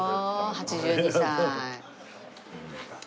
８２歳。